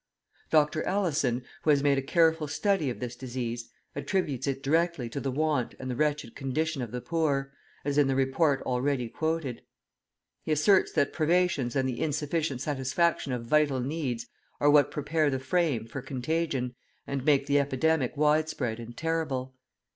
Dr. Alison, who has made a careful study of this disease, attributes it directly to the want and the wretched condition of the poor, as in the report already quoted. He asserts that privations and the insufficient satisfaction of vital needs are what prepare the frame for contagion and make the epidemic widespread and terrible.